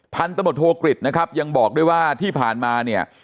พันตำรวจโทกฤษนะครับยังบอกด้วยว่าที่ผ่านมาเนี่ย